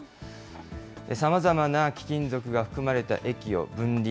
さまざまな貴金属が含まれた液を分離。